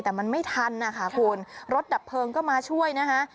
แต่มันไม่ทันนะคะคุณรถดับเพลิงก็มาช่วยนะคะ